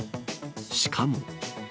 しかも。